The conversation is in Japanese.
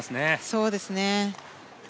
そうですね。